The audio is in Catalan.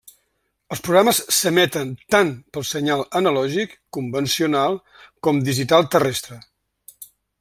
Els programes s'emeten tant per senyal analògic convencional com digital terrestre.